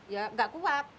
ya nggak kuad